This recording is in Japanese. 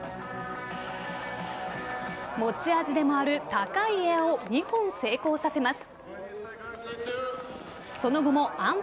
持ち味でもある高いエアを２本成功させます。